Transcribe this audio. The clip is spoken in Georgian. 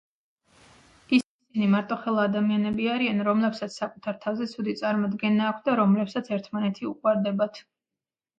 ისინი მარტოხელა ადამიანები არიან, რომლებსაც საკუთარ თავზე ცუდი წარმოდგენა აქვთ და რომლებსაც ერთმანეთი უყვარდებათ.